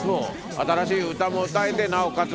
新しい歌も歌えてなおかつ